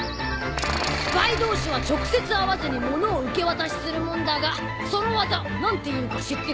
スパイ同士は直接会わずに物を受け渡しするもんだがその技何ていうか知ってっか？